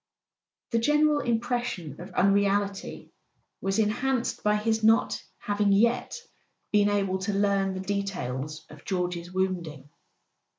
The general impression of unreality was enhanced [ 291 ] A SON AT THE FRONT by his not having yet been able to learn the details of George's wounding.